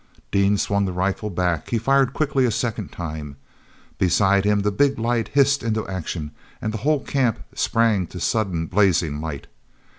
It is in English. ean swung the rifle back. He fired quickly a second time. Beside him the big light hissed into action and the whole camp sprang to sudden, blazing light.